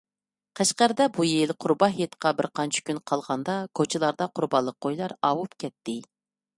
قەشقەردە بۇ يىل قۇربان ھېيتقا بىرقانچە كۈن قالغاندا كوچىلاردا قۇربانلىق قويلار ئاۋۇپ كەتتى.